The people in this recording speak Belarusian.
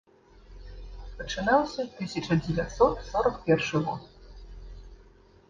Пачынаўся тысяча дзевяцьсот сорак першы год.